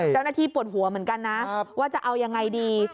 เจ้าหน้าที่ปวดหัวเหมือนกันนะว่าจะเอายังไงดี